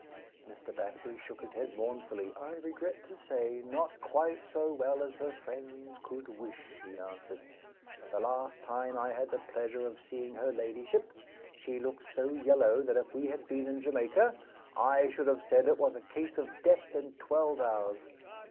Mr. Batterbury shook his head mournfully. "I regret to say, not quite so well as her friends could wish," he answered. "The last time I had the pleasure of seeing her ladyship, she looked so yellow that if we had been in Jamaica I should have said it was a case of death in twelve hours.